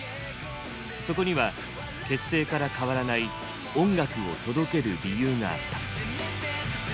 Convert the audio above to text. そこには結成から変わらない音楽を届ける理由があった。